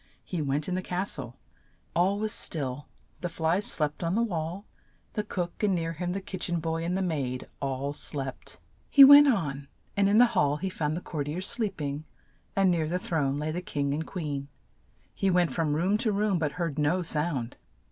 He went in the cas tle ; all was still, the flies slept on the wall, the cook, and near him the kitch en boy, and the maid, all slept. He went on and in the hall he found the court iers sleep THE SLEEPING COOK. 86 THE CAT WHO MARRIED A MOUSE ing and near the throne lay the king and queen. He went from room to room, but heard no sound.